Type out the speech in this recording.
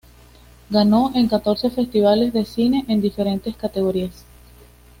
Ganó en catorce festivales de cine en diferentes categorías.